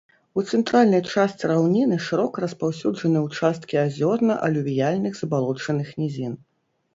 У цэнтральнай частцы раўніны шырока распаўсюджаны ўчасткі азёрна-алювіяльных забалочаных нізін.